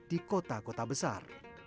di kota kota besar